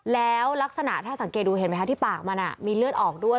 แล้วลักษณะถ้าสังเกตดูเห็นไหมคะที่ปากมันมีเลือดออกด้วย